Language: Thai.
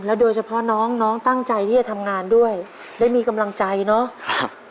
โดยเฉพาะน้องน้องตั้งใจที่จะทำงานด้วยได้มีกำลังใจเนาะ